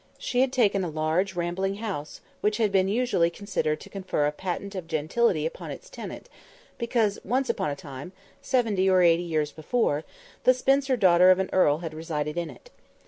She had taken a large rambling house, which had been usually considered to confer a patent of gentility upon its tenant, because, once upon a time, seventy or eighty years before, the spinster daughter of an earl had resided in it.